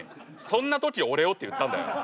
「そんな時俺を」って言ったんだよ。